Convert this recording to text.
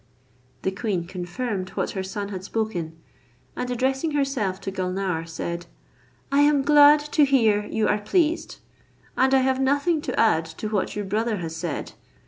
The queen confirmed what her son had spoken, and addressing herself to Gulnare, said, "I am glad to hear you are pleased; and I have nothing to add to what your brother has said.